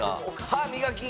歯磨き！